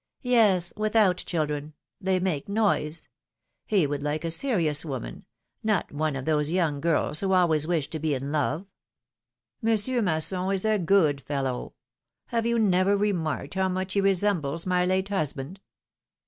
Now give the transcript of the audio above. Yes, without children — they make a noise ; he would like a serious woman, not one of those young girls who always wish to be in love. Monsieur Masson is a good fellow; have you never remarked how much he resembles my late husband?"